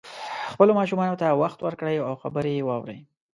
خپلو ماشومانو ته وخت ورکړئ او خبرې یې واورئ